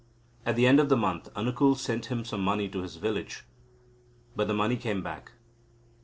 At the end of the month Anukul sent him some money to his village. But the money came back.